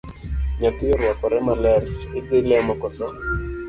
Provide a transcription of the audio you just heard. Nyathi oruakore maler, idhi lemo koso?